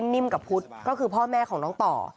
นิ่มกับพุทธก็คือพ่อแม่ของน้องต่อ